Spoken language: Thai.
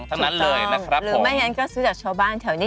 ทั้งนั้นเลยนะครับหรือไม่งั้นก็ซื้อจากชาวบ้านแถวนี้